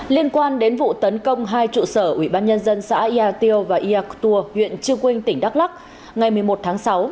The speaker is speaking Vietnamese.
liên quan đến vụ tấn công hai trụ sở ủy ban nhân dân xã yatio và yaktur huyện chư quynh tỉnh đắk lắc ngày một mươi một tháng sáu